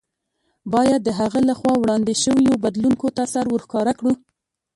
باید د هغه له خوا وړاندې شویو بدلوونکو ته سر ورښکاره کړو.